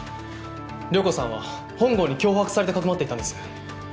遼子さんは本郷に脅迫されてかくまっていたんです。